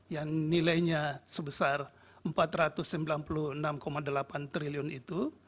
yang nilainya sebesar rp empat ratus sembilan puluh enam delapan triliun itu